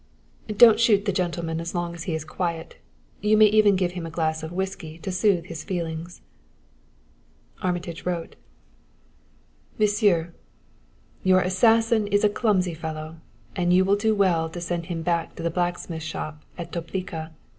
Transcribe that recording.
"Don't shoot the gentleman as long as he is quiet. You may even give him a glass of whisky to soothe his feelings." Armitage wrote: "MONSIEUR: "Your assassin is a clumsy fellow and you will do well to send him back to the blacksmith shop at Toplica.